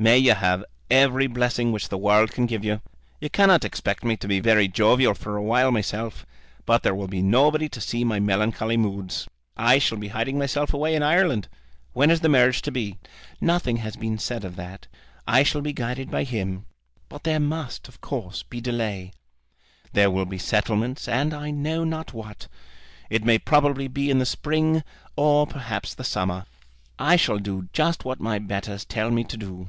May you have every blessing which the world can give you. You cannot expect me to be very jovial for awhile myself; but there will be nobody to see my melancholy moods. I shall be hiding myself away in Ireland. When is the marriage to be?" "Nothing has been said of that. I shall be guided by him, but there must, of course, be delay. There will be settlements and I know not what. It may probably be in the spring, or perhaps the summer. I shall do just what my betters tell me to do."